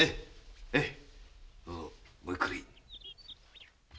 へいどうぞごゆっくり。